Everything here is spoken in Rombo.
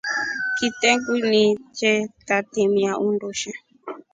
Kitengu ni che tamilia undusha.